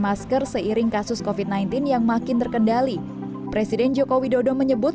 masker seiring kasus covid sembilan belas yang makin terkendali presiden joko widodo menyebut